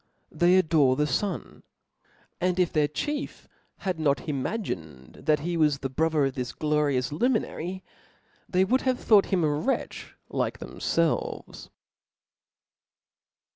They adore the fun ; and if their chief had not imagined that he was the brother of this glorious luminary, they would have thought him a wretch like themfclves.